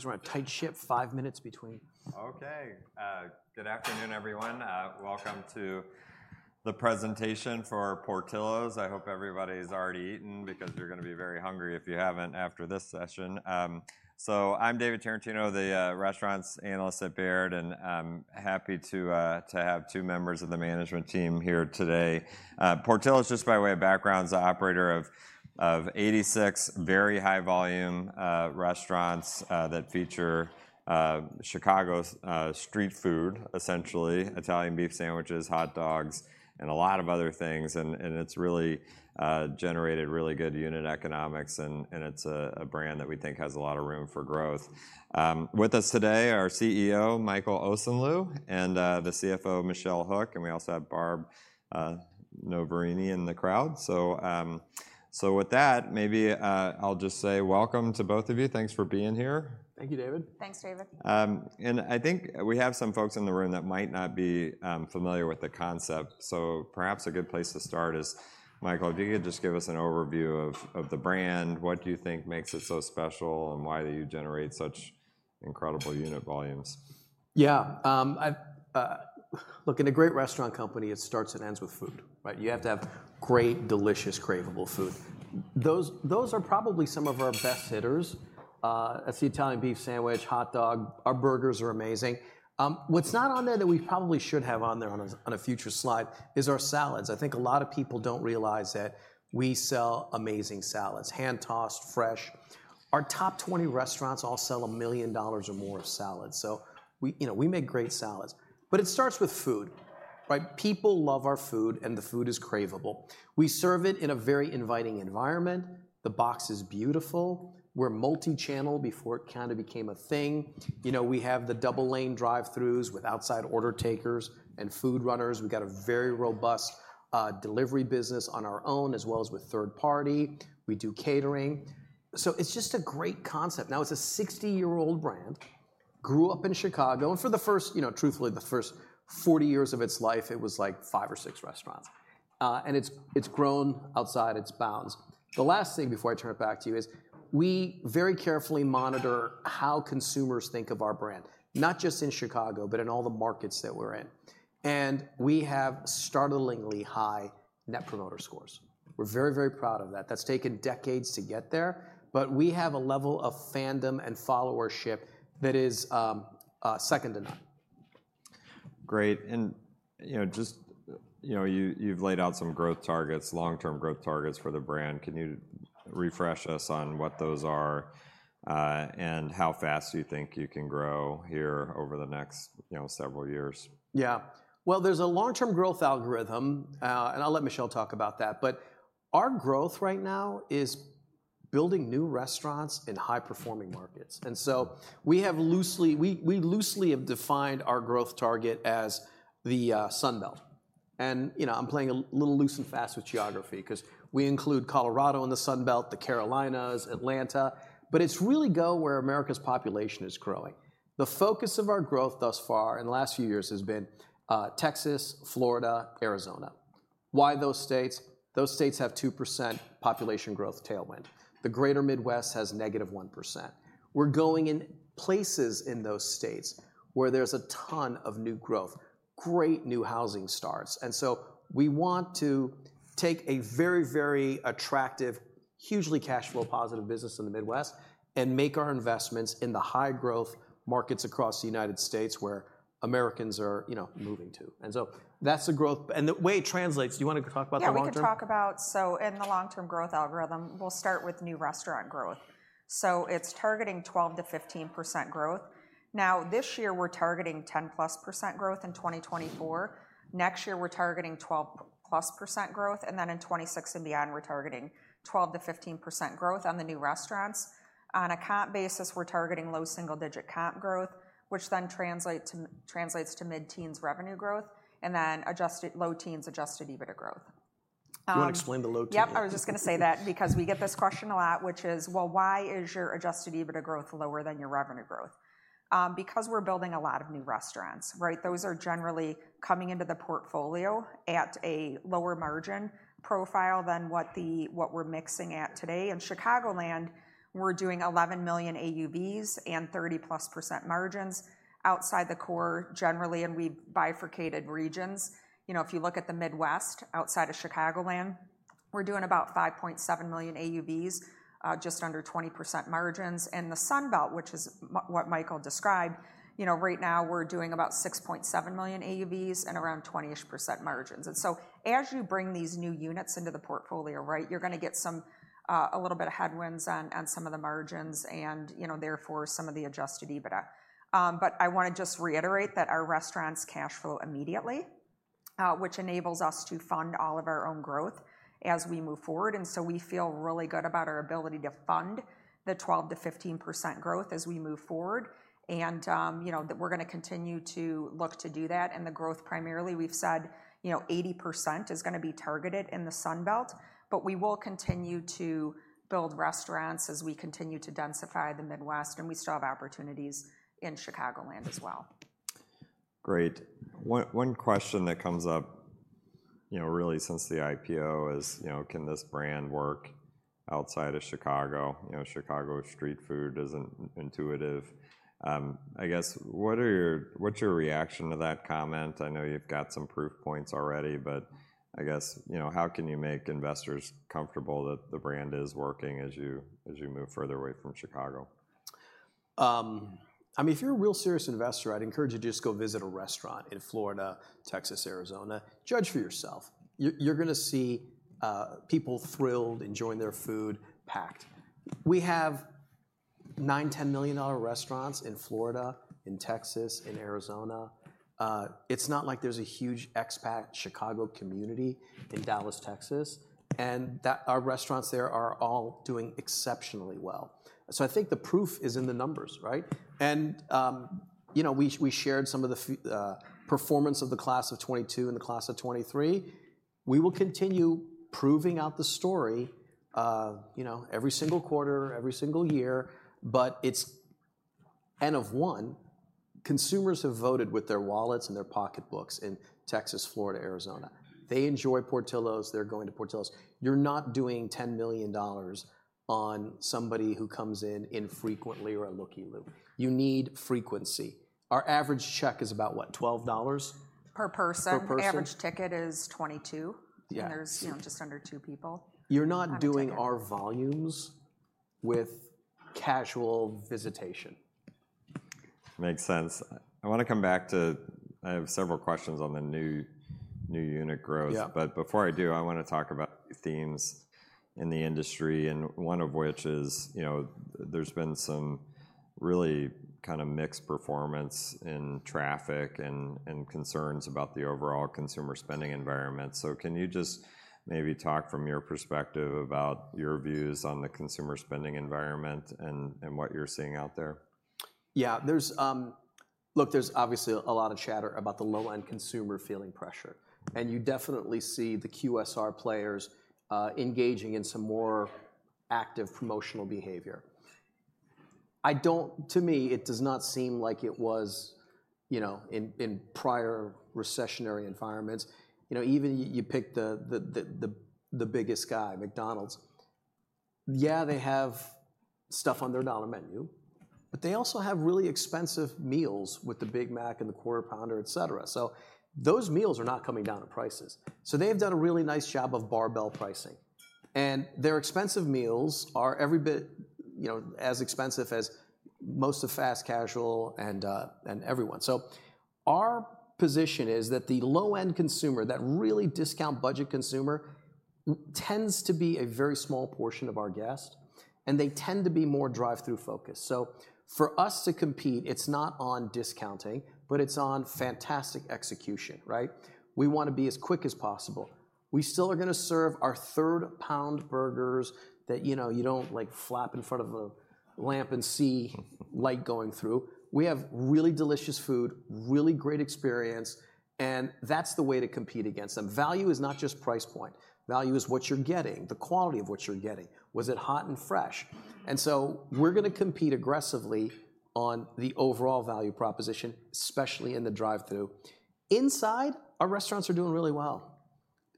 'cause we're on a tight ship, five minutes between. Okay. Good afternoon, everyone. Welcome to the presentation for Portillo's. I hope everybody's already eaten, because you're gonna be very hungry if you haven't after this session. So I'm David Tarantino, the restaurants analyst at Baird, and I'm happy to have two members of the management team here today. Portillo's, just by way of background, is the operator of 86 very high-volume restaurants that feature Chicago's street food, essentially, Italian beef sandwiches, hot dogs, and a lot of other things. And it's really generated really good unit economics, and it's a brand that we think has a lot of room for growth. With us today are CEO Michael Osanloo and the CFO Michelle Hook, and we also have Barb Noverini in the crowd. So, with that, maybe, I'll just say welcome to both of you. Thanks for being here. Thank you, David. Thanks, David. I think we have some folks in the room that might not be familiar with the concept, so perhaps a good place to start is, Michael, if you could just give us an overview of the brand, what do you think makes it so special, and why do you generate such incredible unit volumes? Yeah. Look, in a great restaurant company, it starts and ends with food, right? You have to have great, delicious, craveable food. Those, those are probably some of our best hitters. That's the Italian beef sandwich, hot dog. Our burgers are amazing. What's not on there that we probably should have on there on a, on a future slide is our salads. I think a lot of people don't realize that we sell amazing salads, hand-tossed, fresh. Our top 20 restaurants all sell $1 million or more of salad, so we, you know, we make great salads. But it starts with food, right? People love our food, and the food is craveable. We serve it in a very inviting environment. The box is beautiful. We're multi-channel before it kind of became a thing. You know, we have the double-lane drive-throughs with outside order takers and food runners. We've got a very robust delivery business on our own, as well as with third party. We do catering. So it's just a great concept. Now, it's a 60-year-old brand, grew up in Chicago, and for the first, you know, truthfully, the first 40 years of its life, it was, like, 5 or 6 restaurants. And it's, it's grown outside its bounds. The last thing before I turn it back to you is, we very carefully monitor how consumers think of our brand, not just in Chicago, but in all the markets that we're in. And we have startlingly high Net Promoter Scores. We're very, very proud of that. That's taken decades to get there, but we have a level of fandom and followership that is, second to none. Great. And, you know, just, you know, you've laid out some growth targets, long-term growth targets for the brand. Can you refresh us on what those are, and how fast you think you can grow here over the next, you know, several years? Yeah. Well, there's a long-term growth algorithm, and I'll let Michelle talk about that, but our growth right now is building new restaurants in high-performing markets. And so we have loosely... We loosely have defined our growth target as the Sun Belt. And, you know, I'm playing a little loose and fast with geography 'cause we include Colorado in the Sun Belt, the Carolinas, Atlanta, but it's really go where America's population is growing. The focus of our growth thus far in the last few years has been Texas, Florida, Arizona. Why those states? Those states have 2% population growth tailwind. The greater Midwest has -1%. We're going in places in those states where there's a ton of new growth, great new housing starts. And so we want to take a very, very attractive, hugely cash flow positive business in the Midwest and make our investments in the high-growth markets across the United States, where Americans are, you know, moving to. And so that's the growth- And the way it translates, do you wanna talk about the long term? Yeah, we can talk about... So in the long-term growth algorithm, we'll start with new restaurant growth. So it's targeting 12%-15% growth. Now, this year, we're targeting 10%+ growth in 2024. Next year, we're targeting 12%+ growth, and then in 2026 and beyond, we're targeting 12%-15% growth on the new restaurants. On a comp basis, we're targeting low single-digit comp growth, which then translates to mid-teens revenue growth and then low teens adjusted EBITDA growth. Do you wanna explain the low teen? Yep, I was just gonna say that because we get this question a lot, which is: Well, why is your Adjusted EBITDA growth lower than your revenue growth? Because we're building a lot of new restaurants, right? Those are generally coming into the portfolio at a lower margin profile than what what we're mixing at today. In Chicagoland, we're doing $11 million AUVs and 30%+ margins. Outside the core, generally, and we've bifurcated regions. You know, if you look at the Midwest outside of Chicagoland, we're doing about $5.7 million AUVs, just under 20% margins. And the Sun Belt, which is what Michael described, you know, right now we're doing about $6.7 million AUVs and around 20%-ish% margins. And so as you bring these new units into the portfolio, right, you're gonna get some a little bit of headwinds on some of the margins and, you know, therefore, some of the adjusted EBITDA. But I wanna just reiterate that our restaurants cash flow immediately, which enables us to fund all of our own growth as we move forward, and so we feel really good about our ability to fund the 12%-15% growth as we move forward. And you know that we're gonna continue to look to do that. And the growth, primarily, we've said, you know, 80% is gonna be targeted in the Sun Belt, but we will continue to build restaurants as we continue to densify the Midwest, and we still have opportunities in Chicagoland as well. Great. One question that comes up, you know, really since the IPO is, you know, can this brand work outside of Chicago? You know, Chicago street food isn't intuitive. I guess, what's your reaction to that comment? I know you've got some proof points already, but I guess, you know, how can you make investors comfortable that the brand is working as you move further away from Chicago? I mean, if you're a real serious investor, I'd encourage you to just go visit a restaurant in Florida, Texas, Arizona. Judge for yourself. You're gonna see people thrilled, enjoying their food, packed. We have $9-$10 million restaurants in Florida, in Texas, in Arizona. It's not like there's a huge expat Chicago community in Dallas, Texas, and that our restaurants there are all doing exceptionally well. So I think the proof is in the numbers, right? You know, we shared some of the performance of the class of 2022 and the class of 2023. We will continue proving out the story, you know, every single quarter, every single year, but it's N of 1. Consumers have voted with their wallets and their pocketbooks in Texas, Florida, Arizona. They enjoy Portillo's, they're going to Portillo's. You're not doing $10 million on somebody who comes in infrequently or a looky-loo. You need frequency. Our average check is about, what, $12? Per person. Per person. Average ticket is $22. Yeah. There's, you know, just under two people- You're not doing our volumes with casual visitation. Makes sense. I wanna come back to... I have several questions on the new, new unit growth. Yeah. But before I do, I wanna talk about themes in the industry, and one of which is, you know, there's been some really kind of mixed performance in traffic and, and concerns about the overall consumer spending environment. So can you just maybe talk from your perspective about your views on the consumer spending environment and, and what you're seeing out there? Yeah, there's... Look, there's obviously a lot of chatter about the low-end consumer feeling pressure, and you definitely see the QSR players engaging in some more active promotional behavior. To me, it does not seem like it was, you know, in prior recessionary environments. You know, even you pick the biggest guy, McDonald's, yeah, they have stuff on their dollar menu, but they also have really expensive meals with the Big Mac and the Quarter Pounder, et cetera. So those meals are not coming down in prices. So they've done a really nice job of barbell pricing, and their expensive meals are every bit, you know, as expensive as most of fast casual and everyone. So our position is that the low-end consumer, that really discount budget consumer, tends to be a very small portion of our guest, and they tend to be more drive-through focused. So for us to compete, it's not on discounting, but it's on fantastic execution, right? We wanna be as quick as possible. We still are gonna serve our third-pound burgers that, you know, you don't, like, flap in front of a lamp and see light going through. We have really delicious food, really great experience, and that's the way to compete against them. Value is not just price point. Value is what you're getting, the quality of what you're getting. Was it hot and fresh? And so we're gonna compete aggressively on the overall value proposition, especially in the drive-through. Inside, our restaurants are doing really well.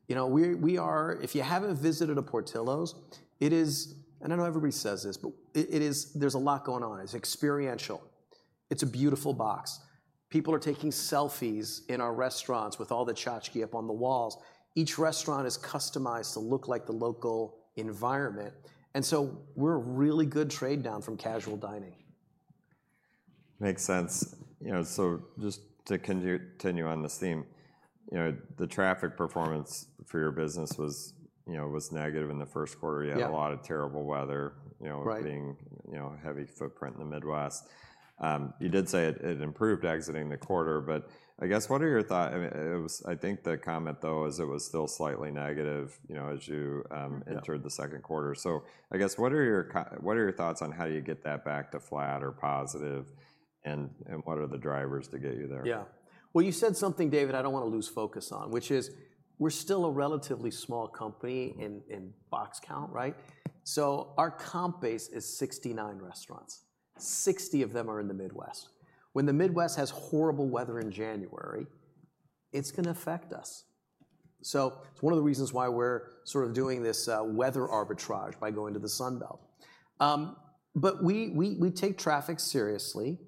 You know, we are... If you haven't visited a Portillo's, it is, and I know everybody says this, but it is, there's a lot going on. It's experiential. It's a beautiful box. People are taking selfies in our restaurants with all the tchotchke up on the walls. Each restaurant is customized to look like the local environment, and so we're a really good trade-down from casual dining. Makes sense. You know, so just to continue on this theme, you know, the traffic performance for your business was, you know, negative in the first quarter. Yeah. You had a lot of terrible weather, you know- Right... being, you know, a heavy footprint in the Midwest. You did say it improved exiting the quarter, but I guess, what are your thought- I mean, it was... I think the comment, though, is it was still slightly negative, you know, as you... Yeah... entered the Q2. So I guess, what are your thoughts on how you get that back to flat or positive, and, and what are the drivers to get you there? Yeah. Well, you said something, David, I don't wanna lose focus on, which is: we're still a relatively small company in box count, right? So our comp base is 69 restaurants. 60 of them are in the Midwest. When the Midwest has horrible weather in January, it's gonna affect us. So it's one of the reasons why we're sort of doing this weather arbitrage by going to the Sun Belt. But we take traffic seriously,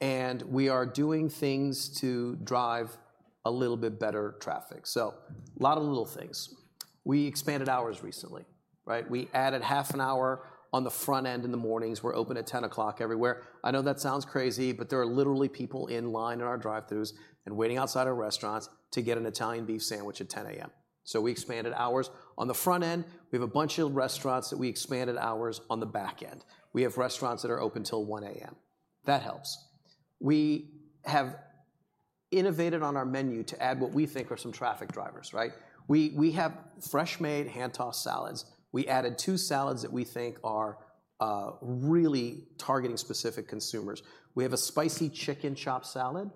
and we are doing things to drive a little bit better traffic, so a lot of little things. We expanded hours recently, right? We added half an hour on the front end in the mornings. We're open at 10:00 A.M. everywhere. I know that sounds crazy, but there are literally people in line in our drive-throughs and waiting outside our restaurants to get an Italian beef sandwich at 10:00 A.M. So we expanded hours. On the front end, we have a bunch of restaurants that we expanded hours on the back end. We have restaurants that are open till 1:00 A.M. That helps. We have innovated on our menu to add what we think are some traffic drivers, right? We have fresh-made, hand-tossed salads. We added two salads that we think are really targeting specific consumers. We have a spicy chicken chopped salad,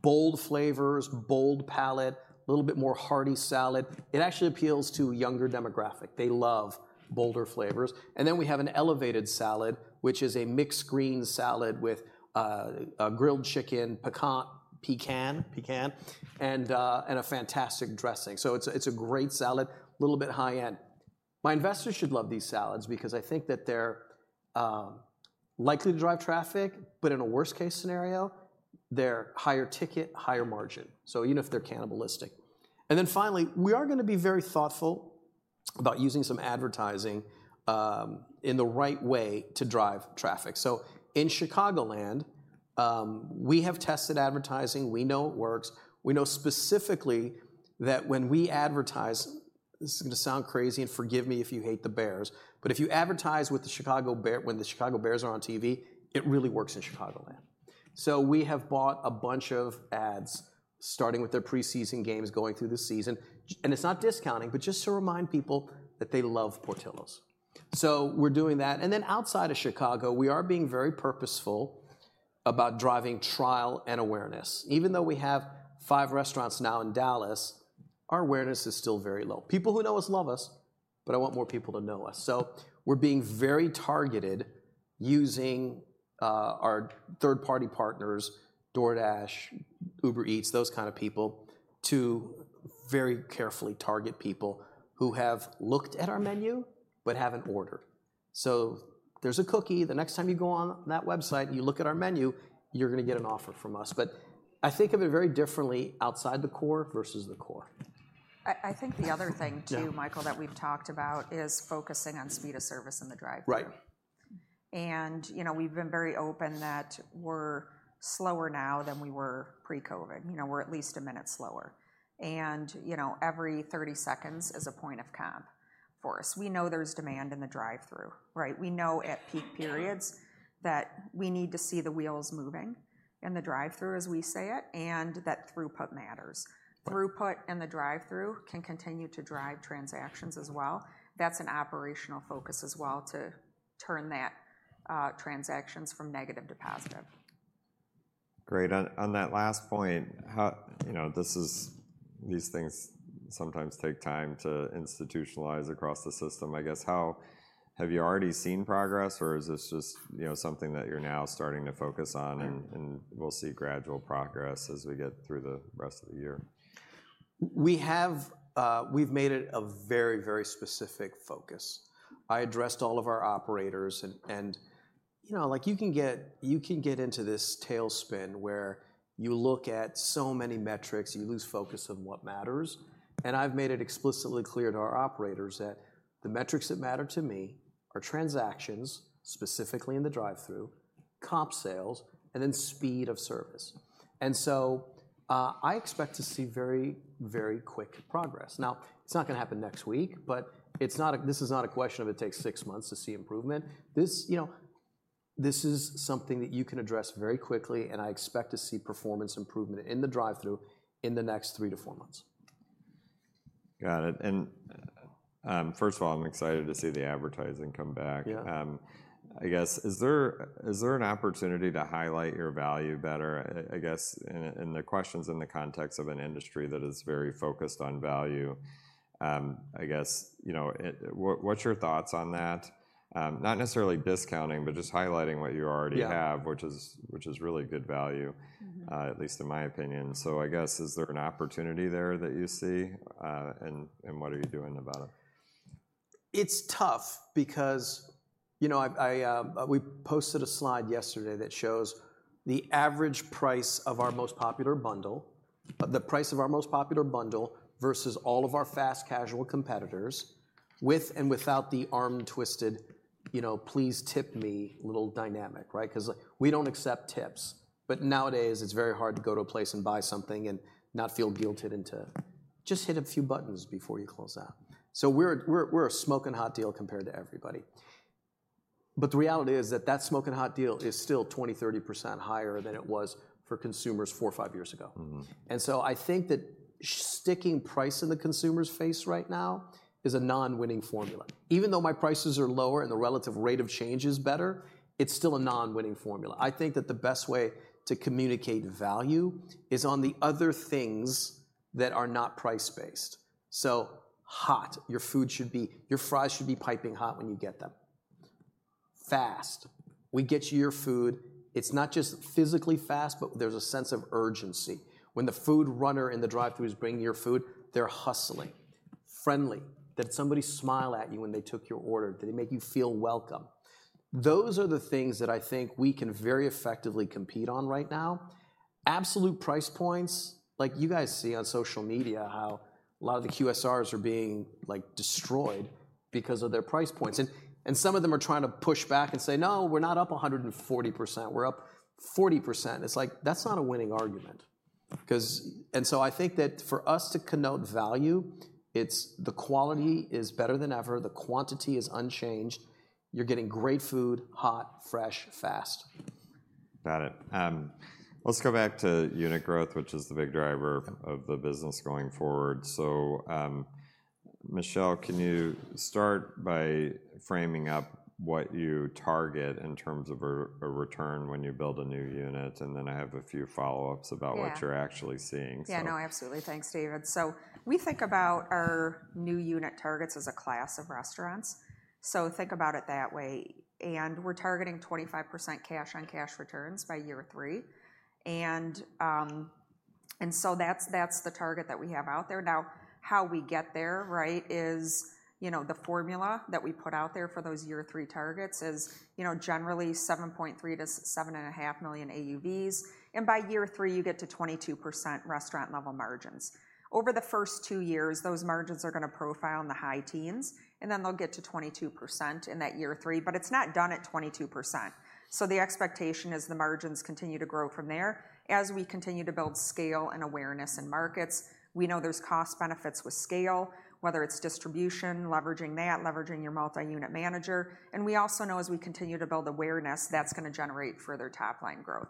bold flavors, bold palate, a little bit more hearty salad. It actually appeals to a younger demographic. They love bolder flavors. And then we have an elevated salad, which is a mixed green salad with a grilled chicken, pecan, and a fantastic dressing. So it's a great salad, a little bit high-end.... My investors should love these salads because I think that they're likely to drive traffic, but in a worst-case scenario, they're higher ticket, higher margin, so even if they're cannibalistic. And then finally, we are gonna be very thoughtful about using some advertising in the right way to drive traffic. So in Chicagoland, we have tested advertising. We know it works. We know specifically that when we advertise, this is gonna sound crazy, and forgive me if you hate the Bears, but if you advertise with the Chicago Bears when the Chicago Bears are on TV, it really works in Chicagoland. So we have bought a bunch of ads, starting with their preseason games going through the season, and it's not discounting, but just to remind people that they love Portillo's, so we're doing that. And then, outside of Chicago, we are being very purposeful about driving trial and awareness. Even though we have five restaurants now in Dallas, our awareness is still very low. People who know us love us, but I want more people to know us. So we're being very targeted, using our third-party partners, DoorDash, Uber Eats, those kind of people, to very carefully target people who have looked at our menu but haven't ordered. So there's a cookie. The next time you go on that website and you look at our menu, you're gonna get an offer from us. But I think of it very differently outside the core versus the core. I think the other thing, too- Yeah... Michael, that we've talked about is focusing on speed of service in the drive-thru. Right. You know, we've been very open that we're slower now than we were pre-COVID. You know, we're at least 1 minute slower, and, you know, every 30 seconds is a point of comp for us. We know there's demand in the drive-thru, right? We know at peak periods that we need to see the wheels moving in the drive-thru, as we say it, and that throughput matters. Throughput in the drive-thru can continue to drive transactions as well. That's an operational focus as well, to turn that transactions from negative to positive. Great, on that last point. You know, this is-these things sometimes take time to institutionalize across the system. I guess, have you already seen progress, or is this just, you know, something that you're now starting to focus on? Mm... and we'll see gradual progress as we get through the rest of the year? We have, we've made it a very, very specific focus. I addressed all of our operators and, you know, like, you can get, you can get into this tailspin where you look at so many metrics, you lose focus on what matters, and I've made it explicitly clear to our operators that the metrics that matter to me are transactions, specifically in the drive-thru, Comp Sales, and then speed of service. So, I expect to see very, very quick progress. Now, it's not gonna happen next week, but it's not. This is not a question of it takes six months to see improvement. This, you know, this is something that you can address very quickly, and I expect to see performance improvement in the drive-thru in the next three to four months. Got it, and first of all, I'm excited to see the advertising come back. Yeah. I guess, is there an opportunity to highlight your value better? I guess, and the question's in the context of an industry that is very focused on value. I guess, you know, what's your thoughts on that? Not necessarily discounting but just highlighting what you already have- Yeah... which is really good value- Mm-hmm... at least in my opinion. So I guess, is there an opportunity there that you see? And what are you doing about it? It's tough because, you know, I, we posted a slide yesterday that shows the average price of our most popular bundle, the price of our most popular bundle versus all of our fast casual competitors with and without the arm twisted, you know, "Please tip me," little dynamic, right? 'Cause, like, we don't accept tips. But nowadays, it's very hard to go to a place and buy something and not feel guilted into-... just hit a few buttons before you close out. So we're a smoking hot deal compared to everybody. But the reality is that that smoking hot deal is still 20%-30% higher than it was for consumers four or five years ago. Mm-hmm. I think that sticking price in the consumer's face right now is a non-winning formula. Even though my prices are lower and the relative rate of change is better, it's still a non-winning formula. I think that the best way to communicate value is on the other things that are not price-based. So hot, your food should be... Your fries should be piping hot when you get them. Fast, we get you your food. It's not just physically fast, but there's a sense of urgency. When the food runner in the drive-thru is bringing your food, they're hustling. Friendly, did somebody smile at you when they took your order? Do they make you feel welcome? Those are the things that I think we can very effectively compete on right now. Absolute price points, like you guys see on social media, how a lot of the QSRs are being, like, destroyed because of their price points, and some of them are trying to push back and say, "No, we're not up 140%. We're up 40%." It's like that's not a winning argument, 'cause... And so I think that for us to connote value, it's the quality is better than ever. The quantity is unchanged. You're getting great food, hot, fresh, fast. Got it. Let's go back to unit growth, which is the big driver of the business going forward. So, Michelle, can you start by framing up what you target in terms of a, a return when you build a new unit? And then I have a few follow-ups about- Yeah... what you're actually seeing, so. Yeah, no, absolutely. Thanks, David. So we think about our new unit targets as a class of restaurants, so think about it that way, and we're targeting 25% cash-on-cash returns by year three. And so that's, that's the target that we have out there. Now, how we get there, right, is, you know, the formula that we put out there for those year three targets is, you know, generally $7.3 million-$7.5 million AUVs, and by year three, you get to 22% restaurant-level margins. Over the first two years, those margins are gonna profile in the high teens, and then they'll get to 22% in that year three, but it's not done at 22%. So the expectation is the margins continue to grow from there as we continue to build scale and awareness in markets. We know there's cost benefits with scale, whether it's distribution, leveraging that, leveraging your multi-unit manager, and we also know as we continue to build awareness, that's gonna generate further top-line growth.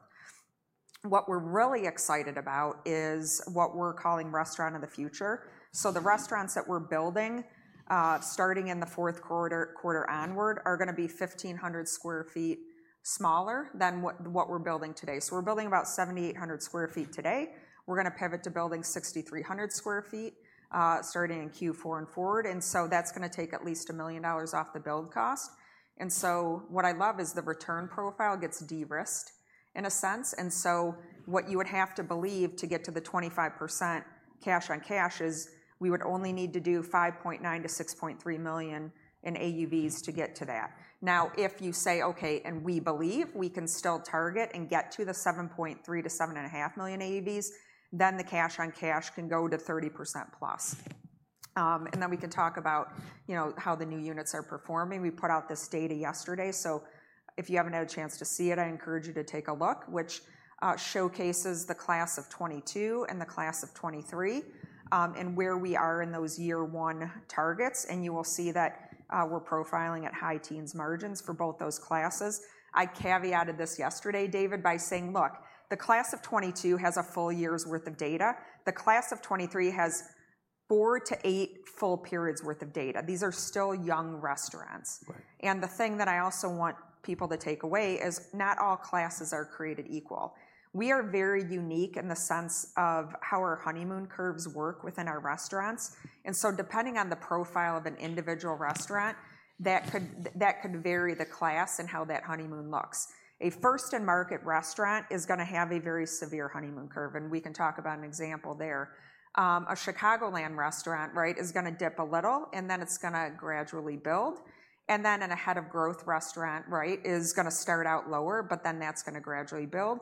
What we're really excited about is what we're calling Restaurant of the Future. So the restaurants that we're building, starting in the fourth quarter, quarter onward, are gonna be 1,500 sq ft smaller than what, what we're building today. So we're building about 7,800 sq ft today. We're gonna pivot to building 6,300 sq ft, starting in Q4 and forward, and so that's gonna take at least $1 million off the build cost. What I love is the return profile gets de-risked in a sense, and so what you would have to believe to get to the 25% cash-on-cash is we would only need to do $5.9 million-$6.3 million in AUVs to get to that. Now, if you say, "Okay," and we believe we can still target and get to the $7.3 million-$7.5 million AUVs, then the cash-on-cash can go to 30%+. And then we can talk about, you know, how the new units are performing. We put out this data yesterday, so if you haven't had a chance to see it, I encourage you to take a look, which showcases the class of 2022 and the class of 2023, and where we are in those year one targets, and you will see that we're profiling at high-teens margins for both those classes. I caveated this yesterday, David, by saying: Look, the class of 2022 has a full year's worth of data. The class of 2023 has 4-8 full periods worth of data. These are still young restaurants. Right. The thing that I also want people to take away is not all classes are created equal. We are very unique in the sense of how our honeymoon curves work within our restaurants, and so depending on the profile of an individual restaurant, that could, that could vary the class and how that honeymoon looks. A first-in-market restaurant is gonna have a very severe honeymoon curve, and we can talk about an example there. A Chicagoland restaurant, right, is gonna dip a little, and then it's gonna gradually build, and then an ahead-of-growth restaurant, right, is gonna start out lower, but then that's gonna gradually build.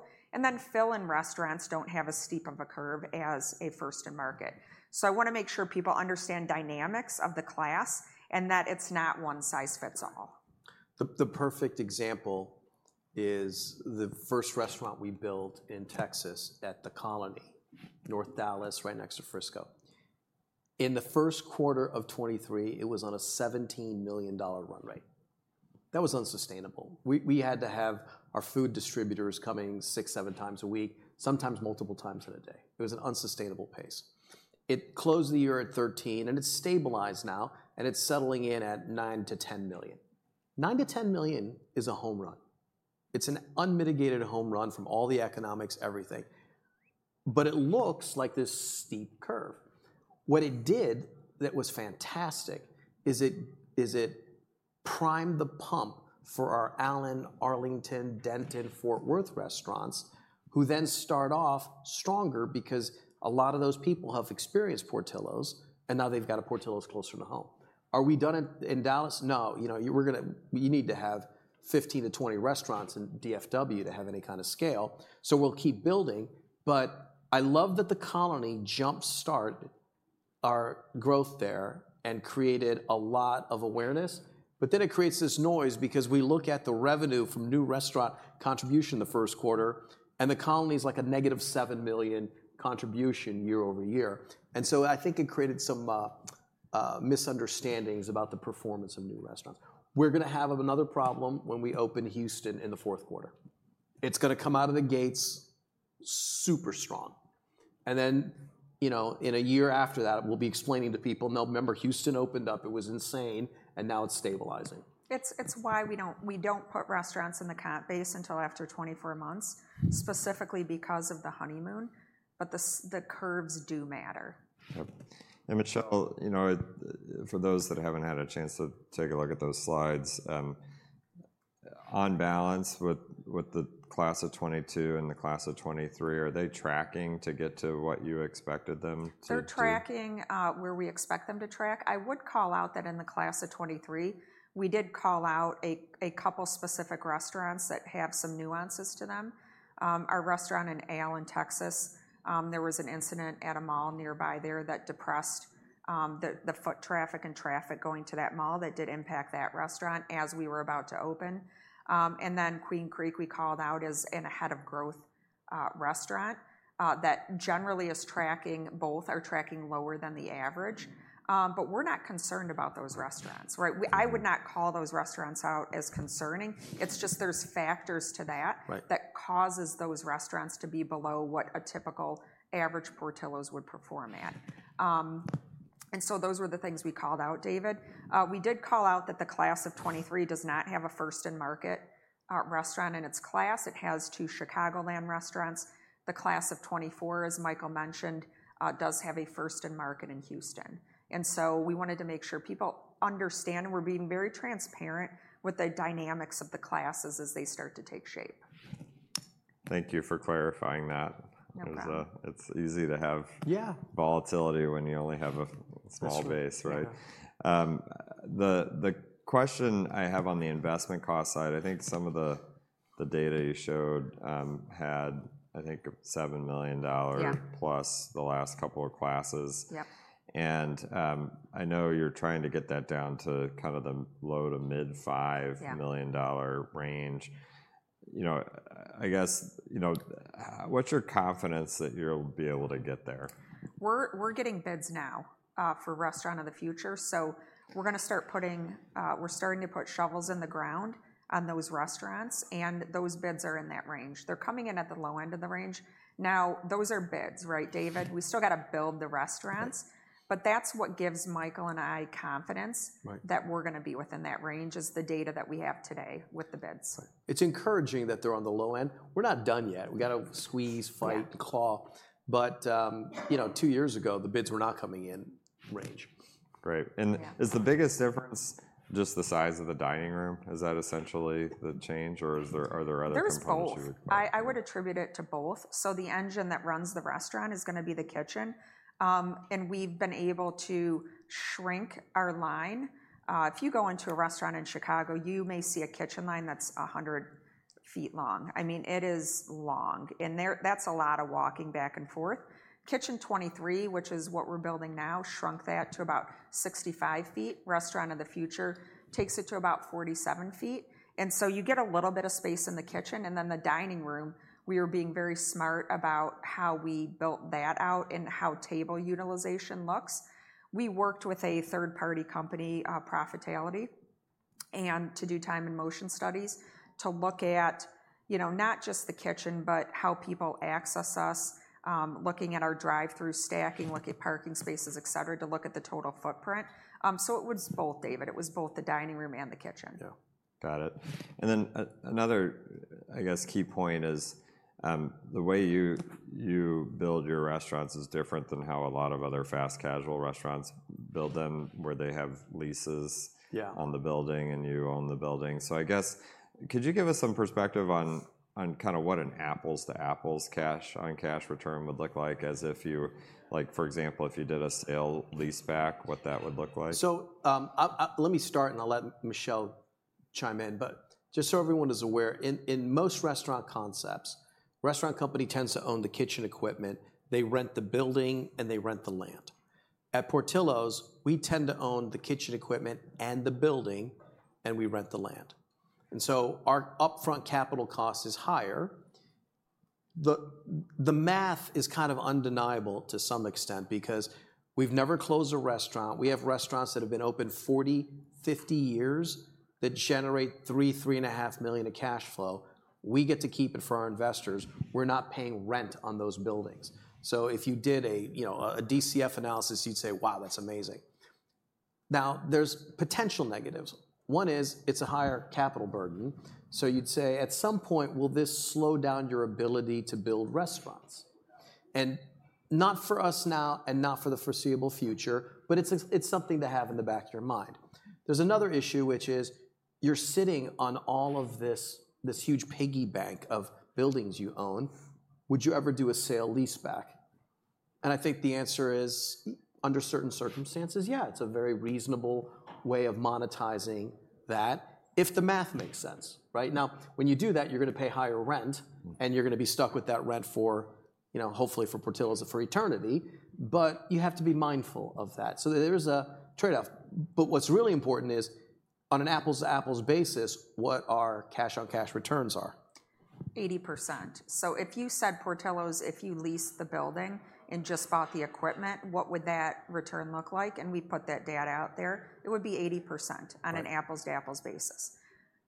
Fill-in restaurants don't have as steep of a curve as a first-in-market. I wanna make sure people understand dynamics of the class and that it's not one size fits all. The perfect example is the first restaurant we built in Texas at The Colony, North Dallas, right next to Frisco. In the first quarter of 2023, it was on a $17 million run rate. That was unsustainable. We had to have our food distributors coming 6-7 times a week, sometimes multiple times in a day. It was an unsustainable pace. It closed the year at $13 million, and it's stabilized now, and it's settling in at $9 million-$10 million. $9 million-$10 million is a home run. It's an unmitigated home run from all the economics, everything, but it looks like this steep curve. What it did that was fantastic is it primed the pump for our Allen, Arlington, Denton, Fort Worth restaurants, who then start off stronger because a lot of those people have experienced Portillo's, and now they've got a Portillo's closer to home. Are we done in Dallas? No. You know, we're gonna. You need to have 15-20 restaurants in DFW to have any kind of scale, so we'll keep building. But I love that The Colony jumpstart our growth there and created a lot of awareness, but then it creates this noise because we look at the revenue from new restaurant contribution the first quarter, and The Colony's like a -$7 million contribution year-over-year. And so I think it created some misunderstandings about the performance of new restaurants. We're gonna have another problem when we open Houston in the fourth quarter. It's gonna come out of the gates super strong, and then, you know, in a year after that, we'll be explaining to people, "Now, remember, Houston opened up, it was insane, and now it's stabilizing. It's why we don't put restaurants in the comp base until after 24 months, specifically because of the honeymoon, but the curves do matter. Yep, and Michelle, you know, for those that haven't had a chance to take a look at those slides, on balance with the class of 2022 and the class of 2023, are they tracking to get to what you expected them to do? They're tracking where we expect them to track. I would call out that in the class of 2023, we did call out a couple specific restaurants that have some nuances to them. Our restaurant in Allen, Texas, there was an incident at a mall nearby there that depressed the foot traffic and traffic going to that mall. That did impact that restaurant as we were about to open. And then Queen Creek, we called out as an ahead-of-growth restaurant that generally is tracking... both are tracking lower than the average. But we're not concerned about those restaurants, right? Mm-hmm. I would not call those restaurants out as concerning. It's just there's factors to that- Right... that causes those restaurants to be below what a typical average Portillo's would perform at. And so those were the things we called out, David. We did call out that the class of 2023 does not have a first-in-market restaurant in its class. It has two Chicagoland restaurants. The class of 2024, as Michael mentioned, does have a first-in-market in Houston, and so we wanted to make sure people understand and we're being very transparent with the dynamics of the classes as they start to take shape.... Thank you for clarifying that. No problem. It was, it's easy to have- Yeah volatility when you only have a- Sure - small base, right? The question I have on the investment cost side, I think some of the data you showed had, I think, a $7 million- Yeah - plus the last couple of classes. Yep. And, I know you're trying to get that down to kind of the low to mid five- Yeah - million-dollar range. You know, I guess, you know, what's your confidence that you'll be able to get there? We're getting bids now for Restaurant of the Future. We're starting to put shovels in the ground on those restaurants, and those bids are in that range. They're coming in at the low end of the range. Now, those are bids, right, David? We've still gotta build the restaurants. Okay. But that's what gives Michael and I confidence- Right that we're gonna be within that range, is the data that we have today with the bids. It's encouraging that they're on the low end. We're not done yet. We gotta squeeze, fight- Yeah... claw. But, you know, two years ago, the bids were not coming in range. Great. Oh, yeah. Is the biggest difference just the size of the dining room? Is that essentially the change, or are there other components you would- There's both. I- I would attribute it to both. So the engine that runs the restaurant is gonna be the kitchen. And we've been able to shrink our line. If you go into a restaurant in Chicago, you may see a kitchen line that's 100 feet long. I mean, it is long, and there, that's a lot of walking back and forth. Kitchen 23, which is what we're building now, shrunk that to about 65 feet. Restaurant of the Future takes it to about 47 feet, and so you get a little bit of space in the kitchen, and then the dining room, we are being very smart about how we built that out and how table utilization looks. We worked with a third-party company, Profitality, and to do time and motion studies to look at, you know, not just the kitchen, but how people access us, looking at our drive-through stacking, looking at parking spaces, et cetera, to look at the total footprint. So it was both, David, it was both the dining room and the kitchen. Yeah. Got it. And then, another, I guess, key point is, the way you build your restaurants is different than how a lot of other fast casual restaurants build them, where they have leases- Yeah on the building, and you own the building. So I guess, could you give us some perspective on, on kind of what an apples-to-apples cash-on-cash return would look like as if you... Like, for example, if you did a sale-leaseback, what that would look like? So, let me start, and I'll let Michelle chime in. But just so everyone is aware, in most restaurant concepts, restaurant company tends to own the kitchen equipment, they rent the building, and they rent the land. At Portillo's, we tend to own the kitchen equipment and the building, and we rent the land, and so our upfront capital cost is higher. The math is kind of undeniable to some extent because we've never closed a restaurant. We have restaurants that have been open 40, 50 years that generate $3-$3.5 million of cash flow. We get to keep it for our investors. We're not paying rent on those buildings. So if you did a, you know, a DCF analysis, you'd say, "Wow, that's amazing!" Now, there's potential negatives. One is it's a higher capital burden, so you'd say, at some point, will this slow down your ability to build restaurants? And not for us now, and not for the foreseeable future, but it's something to have in the back of your mind. There's another issue, which is, you're sitting on all of this, this huge piggy bank of buildings you own. Would you ever do a sale leaseback? And I think the answer is, under certain circumstances, yeah, it's a very reasonable way of monetizing that if the math makes sense, right? Now, when you do that, you're gonna pay higher rent- Mm... and you're gonna be stuck with that rent for, you know, hopefully for Portillo's, for eternity, but you have to be mindful of that. So there is a trade-off. But what's really important is, on an apples-to-apples basis, what our cash-on-cash returns are. 80%. So if you said Portillo's, if you leased the building and just bought the equipment, what would that return look like? And we put that data out there, it would be 80%. Right... on an apples-to-apples basis.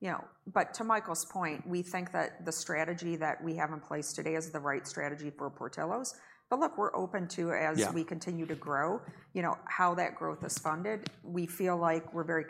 You know, but to Michael's point, we think that the strategy that we have in place today is the right strategy for Portillo's. But look, we're open to- Yeah... as we continue to grow, you know, how that growth is funded. We feel like we're very-